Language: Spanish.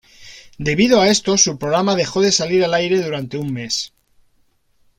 Debido a esto, su programa dejó de salir al aire durante un mes.